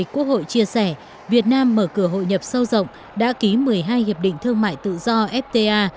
quốc hội chia sẻ việt nam mở cửa hội nhập sâu rộng đã ký một mươi hai hiệp định thương mại tự do fta